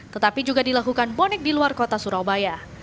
tetapi juga dilakukan bonek di luar kota surabaya